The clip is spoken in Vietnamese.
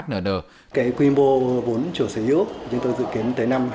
cái quy mô vốn chủ sở hữu chúng tôi dự kiến tới năm hai nghìn hai mươi năm